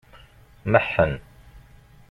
Meḥḥen.